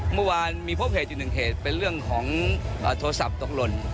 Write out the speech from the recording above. เมื่อวานมีพบเหตุอยู่หนึ่งเหตุเป็นเรื่องของโทรศัพท์ตกหล่น